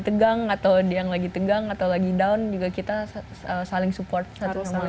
tegang atau yang lagi tegang atau lagi down juga kita saling support satu sama lain